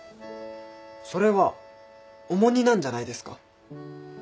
それは重荷なんじゃないですか？